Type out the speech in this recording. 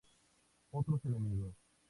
Otros enemigos.